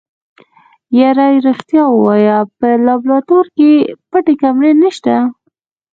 يره رښتيا ووايه په لابراتوار کې پټې کمرې نشته.